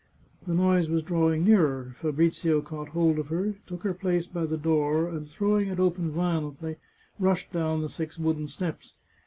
The noise was drawing nearer. Fabrizio caught hold of her, took her place by the door, and throwing it open violently, rushed down the six wooden steps.